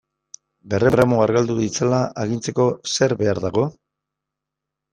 Berrehun gramo argaldu ditzala agintzeko zer behar dago?